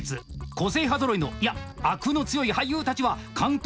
個性派ぞろいのいやあくの強い俳優たちは監督